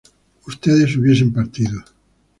ustedes hubiesen partido